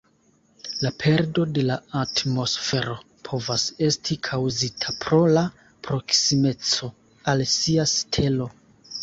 La perdo de la atmosfero povas esti kaŭzita pro la proksimeco al sia stelo.